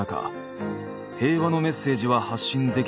平和のメッセージは発信できた一方